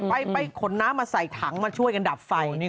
ไปขนน้ำมาใส่ถังมาช่วยกันดับไฟ